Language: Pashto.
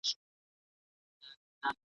د پرواز فکر یې نه وو نور په سر کي .